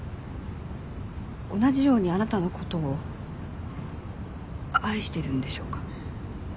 同じようにあなたの事を愛してるんでしょうか？